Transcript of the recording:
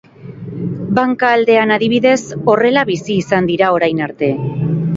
Banka aldean adibidez, horrela bizi izan dira orain arte.